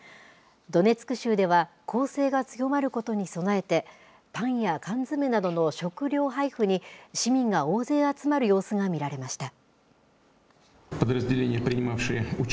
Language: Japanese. ドネツク州では攻勢が強まることに備えて、パンや缶詰などの食料配付に、市民が大勢集まる様子が見られました。